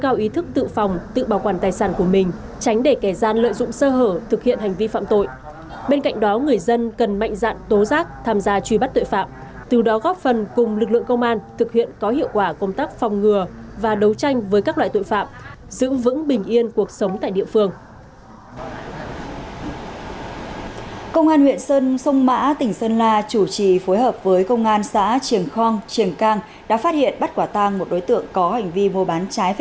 đã phát hiện bắt quả tăng một đối tượng có hành vi mua bán trái phép chất ma túy tại bản nhạp xã triềng cang huyện sông mã